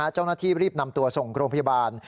เจ้าหน้าที่รีบนำตัวส่งโรงพยาบาล